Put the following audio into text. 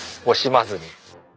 惜しまずに。